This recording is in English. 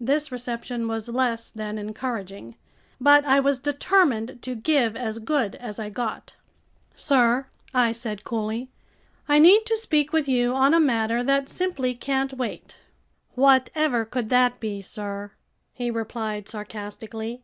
This reception was less than encouraging. But I was determined to give as good as I got. "Sir," I said coolly, "I need to speak with you on a matter that simply can't wait." "Whatever could that be, sir?" he replied sarcastically.